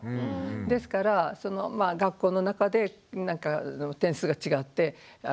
ですから学校の中でなんかの点数が違ってあ